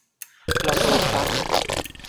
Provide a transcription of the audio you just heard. ลองดู ครับ